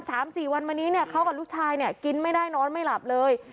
สามสี่วันวันนี้เขากับลูกชายกินไม่ได้นอนไม่หลับเลย